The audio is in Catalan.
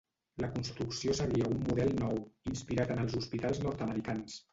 La construcció seguia un model nou, inspirat en els hospitals nord-americans.